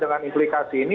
dengan implikasi ini